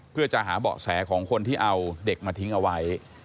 เพื่อจะหาเบาะแสของคนที่เอาเด็กมาทิ้งเอาไว้